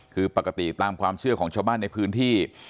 คือปกติตามความเชื่อของชาวบ้านในพื้นที่